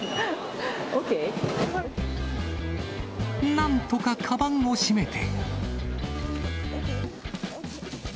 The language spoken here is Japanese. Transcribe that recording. なんとかかばんを閉めて。